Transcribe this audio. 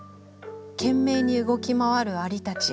懸命に動き回る蟻たち。